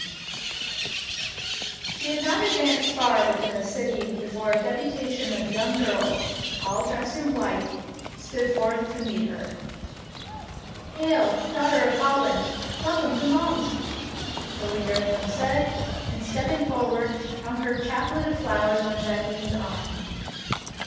6s DEEDS OF DAEING She had not advanced far within the city before a deputation of young girls, all dressed in white, stood forth to meet her. " Hail, Daughter of Holland, welcome to Mons,^' the leader of them said, and stepping forward, hung her chaplet of flowers on Jacqueline's arm.